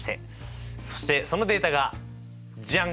そしてそのデータがジャン！